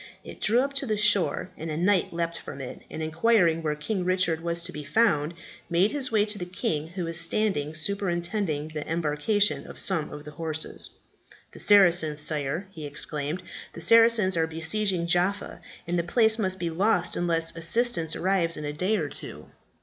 It drew up to the shore, and a knight leaped from it, and, inquiring where King Richard was to be found, made his way to the king, who was standing superintending the embarcation of some of the horses. "The Saracens, sire!" he exclaimed. "The Saracens are besieging Jaffa, and the place must be lost unless assistance arrives in a day or two."